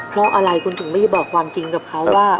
เพราะอะไรคุณถึงไม่ได้บอกความจริงกับเขาว่า